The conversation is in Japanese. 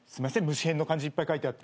虫偏の漢字いっぱい書いてあって。